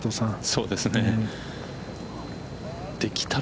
そうですよね。